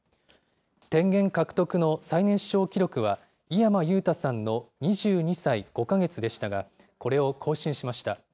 天元獲得の最年少記録は、井山裕太さんの２２歳５か月でしたが、これを更新しました。